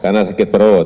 karena sakit perut